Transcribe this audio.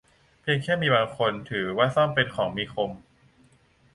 เพียงแค่มีบางคนถือว่าส้อมเป็นของมีคม